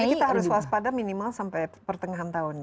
jadi kita harus waspada minimal sampai pertengahan tahun ya